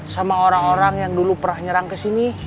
sama orang orang yang dulu pernah nyerang kesini